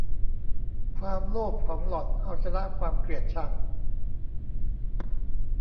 ความโลภของหล่อนเอาชนะความเกลียดชัง